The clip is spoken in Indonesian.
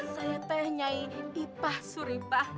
sete nyai dipah suripah